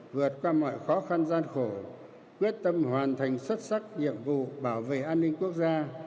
vượt qua mọi khó khăn gian khổ quyết tâm hoàn thành xuất sắc nhiệm vụ bảo vệ an ninh quốc gia